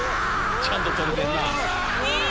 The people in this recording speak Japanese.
ちゃんと撮れてんな。